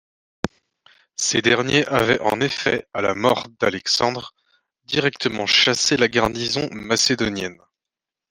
Ces derniers avait en effet, à la mort d'Alexandre, directement chassé la garnison macédonienne.